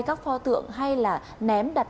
các phó tượng hay là ném đặt